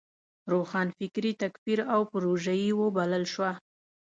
روښانفکري تکفیر او پروژيي وبلل شوه.